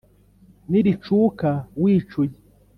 Niricuka wicuye